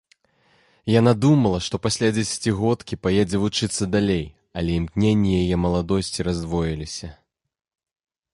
Яна думала, што пасля дзесяцігодкі паедзе вучыцца далей, але імкненні яе маладосці раздвоіліся.